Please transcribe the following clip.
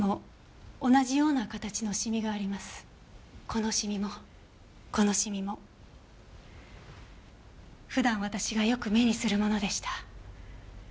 このシミもこのシミも普段私がよく目にするものでした。